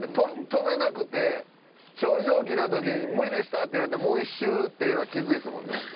飛べなくて頂上来たときに無理でしたってなってもう１周っていうのはきついですもんね。